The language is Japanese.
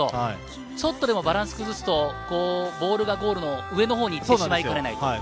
ちょっとでもバランスを崩すとボールがゴールの上のほうに行ってしまいかねない。